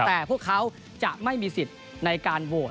แต่พวกเขาจะไม่มีสิทธิ์ในการโหวต